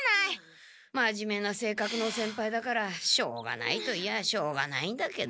まじめなせいかくの先輩だからしょうがないといやしょうがないんだけど。